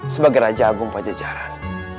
sebagai raja agung pajajaran